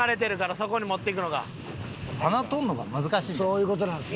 そういう事なんですね。